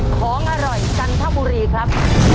ของอร่อยจันทบุรีครับ